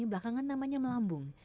belakangan namanya melambung